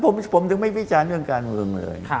อ๋อมาช่วยอะต่างไหน